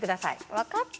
わかった！